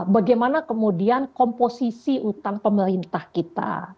bagaimana kemudian komposisi utang pemerintah kita